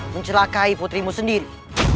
mencelakai putrimu sendiri